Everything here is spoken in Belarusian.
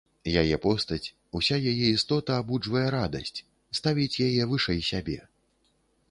Яе постаць, уся яе істота абуджвае радасць, ставіць яе вышэй сябе.